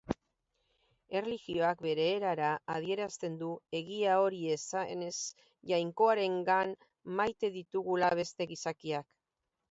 Erlijioak bere erara adierazten du egia hori esanez Jainkoarengan maite ditugula beste gizakiak.